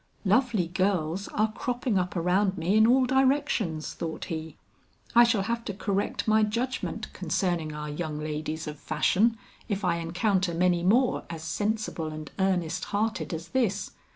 "Lovely girls are cropping up around me in all directions," thought he; "I shall have to correct my judgment concerning our young ladies of fashion if I encounter many more as sensible and earnest hearted as this."